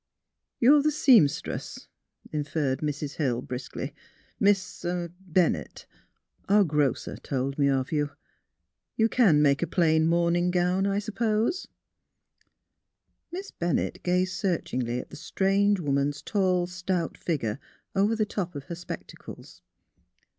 *' You are the seamstress," inferred Mrs. Hill, WHERE IS SYLVIA! 189 briskly; '' Miss — er — Bennett. Our grocer told me of yon. You can make a plain morning gown, I suppose? " Miss Bennett gazed searchingly at the strange woman's tall, stout figure over tlie top of her spec tacles.